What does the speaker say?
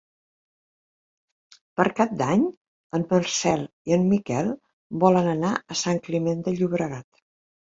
Per Cap d'Any en Marcel i en Miquel volen anar a Sant Climent de Llobregat.